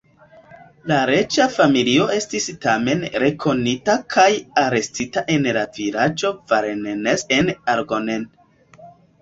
La reĝa familio estis tamen rekonita kaj arestita en la vilaĝo Varennes-en-Argonne.